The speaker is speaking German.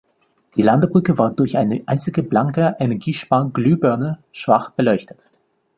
Die Landebrücke war durch eine einzige, blanke, Energiespar-Glühbirne schwach beleuchtet.